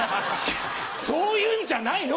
そういうんじゃないの？